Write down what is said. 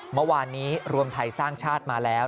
เมื่อวานนี้รวมไทยสร้างชาติมาแล้ว